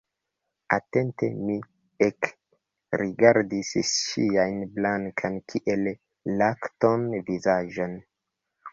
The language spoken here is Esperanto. Atente mi ekrigardis ŝian blankan kiel lakton vizaĝon.